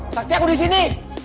sakti aku di sini